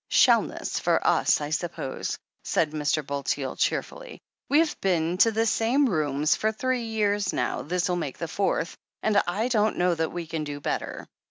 "Shellness for us, I suppose," said Mr. Bulteel cheer fully. "We've been to the same rooms for three years now — ^this'll make the fourth — ^and I don't know that we can do better."